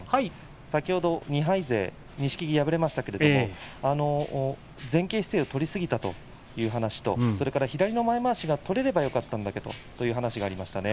２敗勢錦木、敗れましたが前傾姿勢を取りすぎたという話と左の前まわしを取れればよかったんだけど、という話がありました。